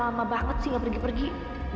nah antar jahitan ke laburnya nih